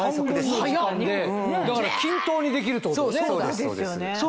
だから均等にできるってことだよね。